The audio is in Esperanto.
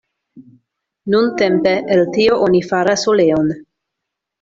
Nuntempe el tio oni faras oleon.